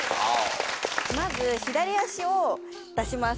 まず左脚を出します。